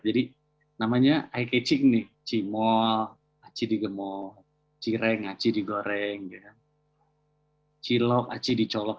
jadi namanya aikecik nih cimol aci digemol cireng aci digoreng cilok aci dicolok